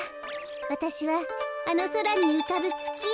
わたしはあのそらにうかぶつきへ。